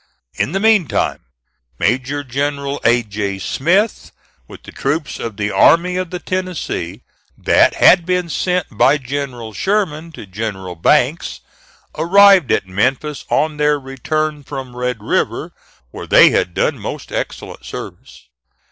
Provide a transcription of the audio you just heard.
In the meantime, Major General A. J. Smith, with the troops of the Army of the Tennessee that had been sent by General Sherman to General Banks, arrived at Memphis on their return from Red River, where they had done most excellent service.